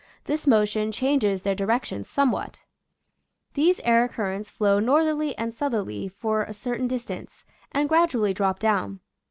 This motion changes their direction somewhat. These air currents flow northerly and southerly for a cer tain distance and gradually drop down.